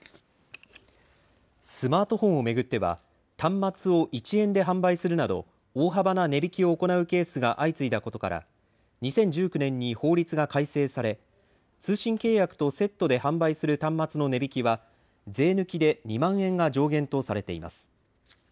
スマートフォンを巡っては、端末を１円で販売するなど、大幅な値引きを行うケースが相次いだことから、２０１９年に法律が改正され、通信契約とセットで販売する端末の値引きは、税抜きで２万円が上限とされています。